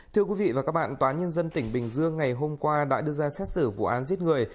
thưa quý vị và các bạn tòa nhân dân tỉnh bình dương ngày hôm qua đã đưa ra xét xử vụ án giết người